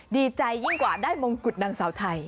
ดีใจยิ่งกว่าได้มงกุฎนางสาวไทย